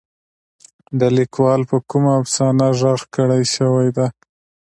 د ليکوال په کومه افسانه رغ کړے شوې ده.